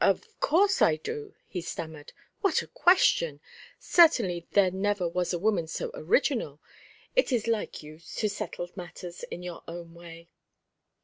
"Of course I do," he stammered. "What a question! Certainly there never was a woman so original. It is like you to settle matters in your own way."